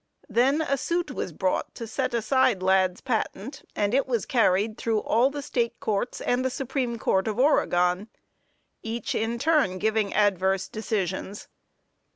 Then a suit was brought to set aside Ladd's patent, and it was carried through all the State Courts and the Supreme Court of Oregon, each, in turn, giving adverse decisions.